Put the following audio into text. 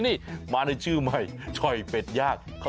นี่มาในชื่อใหม่ช่อยเป็ดย่าง